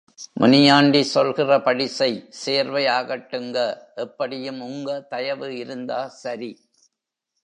முனியாண்டி சொல்கிறபடி செய் சேர்வை ஆகட்டுங்க, எப்படியும் உங்க தயவு இருந்தா சரி.